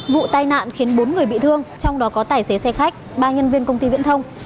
vụ tai nạn khiến bốn người bị thương trong đó có tài xế xe khách ba nhân viên công ty viễn thông